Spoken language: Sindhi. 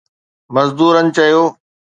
مزدورن چيو